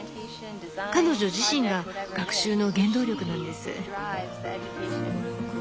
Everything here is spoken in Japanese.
彼女自身が学習の原動力なんです。